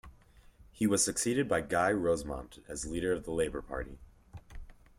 He was succeeded by Guy Rozemont as leader of the Labour Party.